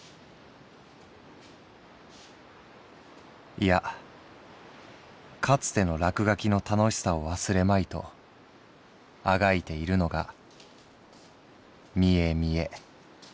「いやかつての落描きの楽しさを忘れまいとあがいているのが見え見え」。